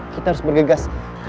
kita harus bergegas